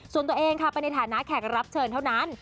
ส่วนตัวเองค่ะไปในฐานะแขกรับเชิญเท่านั้น